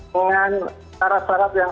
dengan syarat syarat yang